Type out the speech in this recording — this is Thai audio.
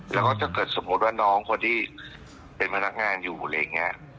แล้วก็ถ้าเกิดสมมุติว่าน้องคนที่เป็นพนักงานอยู่อะไรอย่างนี้